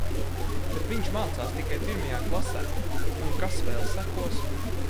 Bet viņš mācās tikai pirmajā klasē. Un, kas vēl sekos?